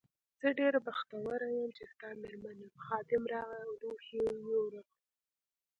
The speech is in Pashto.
زه ډېره بختوره یم چې ستا مېرمن یم، خادم راغی او لوښي یې یووړل.